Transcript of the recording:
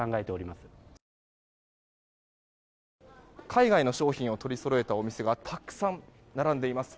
海外の商品を取りそろえたお店がたくさん並んでいます。